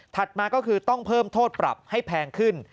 มาก็คือต้องเพิ่มโทษปรับให้แพงขึ้น